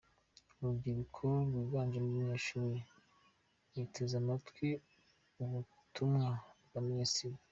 Urubyiruko rwiganjemo abanyeshuri ruteze amatwi ubutumwa bwa Minisitiri.